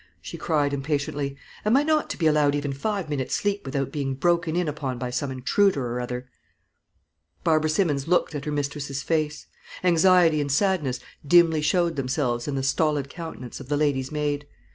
she cried, impatiently. "Am I not to be allowed even five minutes' sleep without being broken in upon by some intruder or other?" Barbara Simmons looked at her mistress's face. Anxiety and sadness dimly showed themselves in the stolid countenance of the lady's maid.